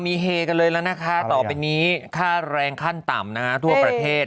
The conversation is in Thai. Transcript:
มีเฮกันเลยแล้วนะคะต่อไปนี้ค่าแรงขั้นต่ำนะฮะทั่วประเทศ